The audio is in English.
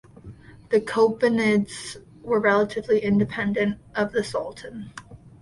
The Chobanids were relatively independent of the Sultan.